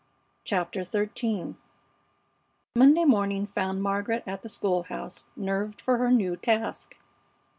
CHAPTER XIII Monday morning found Margaret at the school house nerved for her new task.